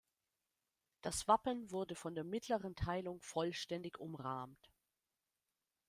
Das Wappen wurde von der mittleren Teilung vollständig umrahmt.